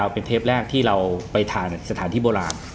เป็นเทปแรกที่เราไปทานสถานที่โบราณ